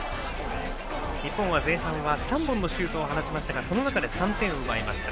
日本は前半３本のシュートを放ちましたがその中で３点を奪いました。